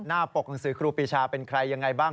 ปกหนังสือครูปีชาเป็นใครยังไงบ้าง